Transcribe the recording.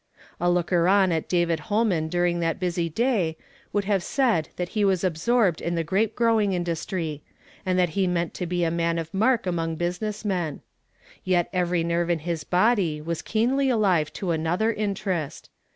A looker on at David Ilolman during that busy day would have said that he was absorbed in the grape growing industry, and that he meant to be a man of mark among business men. Yet every nerve in his body was keenly alive to another interest.